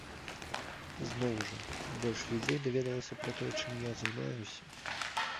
Зноў жа, больш людзей даведалася пра тое, чым я займаюся.